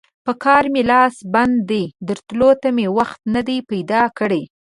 پر کار مې لاس بند دی؛ درتلو ته مې وخت نه دی پیدا کړی.